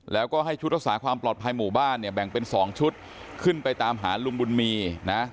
แล้วก็ให้ชุดรักษาความปลอดภัยหมู่บ้านเนี่ยแบ่งเป็น๒ชุดขึ้นไปตามหาลุงบุญมีนะ